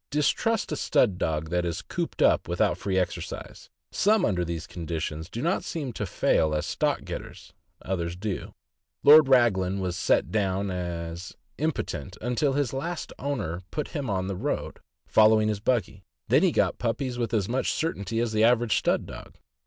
Distrust a stud dog that is cooped up without free exercise; some under these circumstances do not seem to fail as stock getters, others do. Lord Raglan was set down as impotent until his last owner put him on the road, following his buggy, then he got puppies with as much certainty as the average stud dog. 584 THE AMERICAN BOOK OF THE DOG.